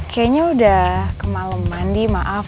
kayaknya udah kemalem mandi maaf